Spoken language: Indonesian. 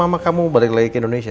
mama kamu balik lagi ke indonesia